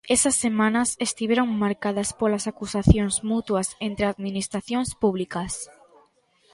Esas semanas estiveron marcadas polas acusacións mutuas entre administracións públicas.